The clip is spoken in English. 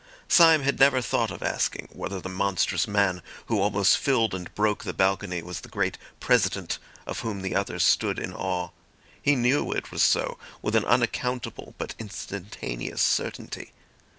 Syme had never thought of asking whether the monstrous man who almost filled and broke the balcony was the great President of whom the others stood in awe. He knew it was so, with an unaccountable but instantaneous certainty.